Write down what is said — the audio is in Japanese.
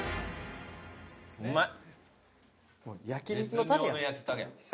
うまい。